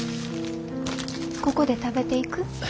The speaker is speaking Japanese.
ここで食べていく？